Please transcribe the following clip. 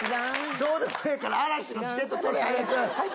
どうでもええから嵐のチケット取れ、早く。